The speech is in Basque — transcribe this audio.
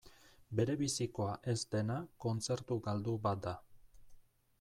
Berebizikoa ez dena kontzertu galdu bat da.